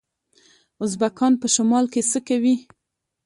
ازبکان په شمال کې څه کوي؟